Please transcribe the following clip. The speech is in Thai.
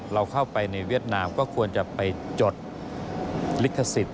เราเข้าไปในเวียดนามก็ควรจะไปจดลิขสิทธิ์